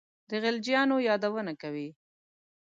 د غلجیو یادونه کوي.